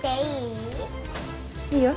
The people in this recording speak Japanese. いいよ。